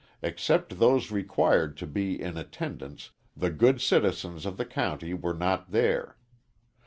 Except those required to be in attendance, the good citizens of the county were not there.